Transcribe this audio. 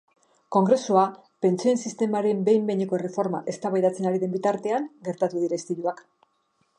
Kongresua pentsioen sistemaren behin-behineko erreforma eztabaidatzen ari den bitartean gertatu dira istiluak.